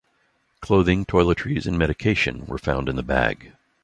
Clothing, toiletries and medication were found in the bag.